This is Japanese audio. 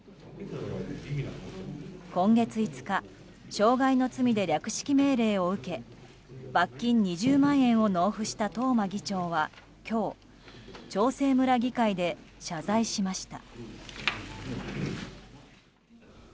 今月５日傷害の罪で略式命令を受け罰金２０万円を納付した東間議長は今日長生村議会で謝罪しました。